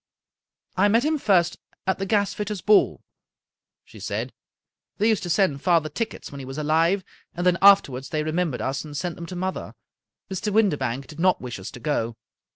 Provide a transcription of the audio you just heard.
" I met him first at the gasfitters' ball," she said. " They used to send father tickets when he was alive, and then afterwards they remem bered us, and sent them to mother. Mr. Windibank did not wish us to go.